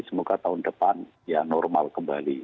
semoga tahun depan ya normal kembali